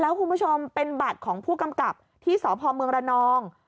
แล้วคุณผู้ชมเป็นบัตรของผู้กำกับที่สพเมืองระนอง